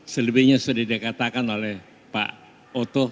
selebihnya sudah dikatakan oleh pak oto